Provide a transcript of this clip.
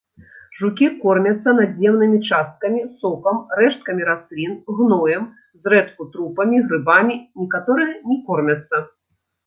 Жукі кормяцца надземнымі часткамі, сокам, рэшткамі раслін, гноем, зрэдку трупамі, грыбамі, некаторыя не кормяцца.